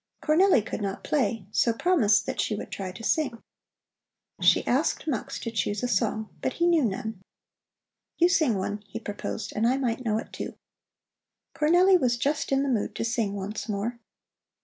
Cornelli could not play, so promised that she would try to sing. She asked Mux to choose a song, but he knew none. "You sing one," he proposed, "and I might know it, too." Cornelli was just in the mood to sing once more.